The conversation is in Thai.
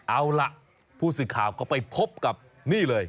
เอาล่ะผู้สื่อข่าวก็ไปพบกับนี่เลย